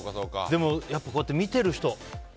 でも、こうやって見てる人